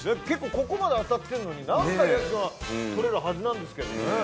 結構ここまで当たってるのになんですけどね